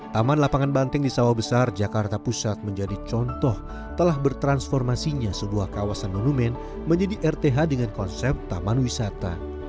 taman lapangan banteng di sawah besar jakarta pusat menjadi contoh telah bertransformasinya sebuah kawasan monumen menjadi rth dengan konsep taman wisata